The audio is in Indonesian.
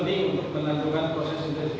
untuk menentukan proses integrasi knkt